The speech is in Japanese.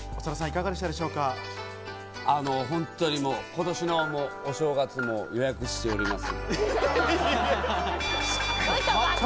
本当に今年のお正月も予約してみます。